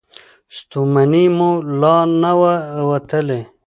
ستومني مو لا نه وه وتلې.